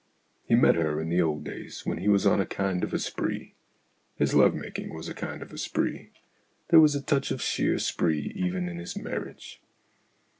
He met her in the old days when he was on a kind of a spree; his love making was a kind of a spree ; there was a touch of sheer spree even in his marriage.